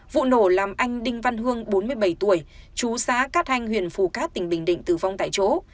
vụ nổ làm anh đinh văn hương bốn mươi bảy tuổi chú xã cát hanh huyện phù cát tỉnh bình định tử vong tại chỗ